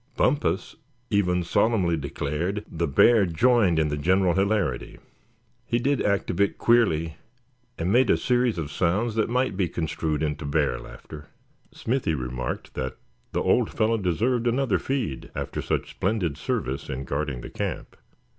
Bumpus even solemnly declared the bear joined in the general hilarity; he did act a bit queerly, and made a series of sounds that might be construed into bear laughter. Smithy remarked that the old fellow deserved another feed after such splendid service in guarding the camp.